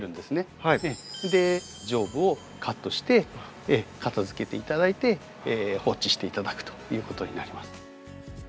上部をカットして片づけて頂いて放置して頂くということになります。